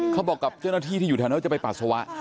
เขาบอกกับเจ้าหน้าที่ที่อยู่แถวนั้นว่าจะไปปัสสาวะ